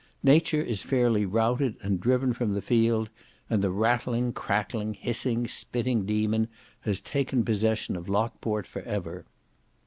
Nature is fairly routed and driven from the field, and the rattling, crackling, hissing, spitting demon has taken possession of Lockport for ever.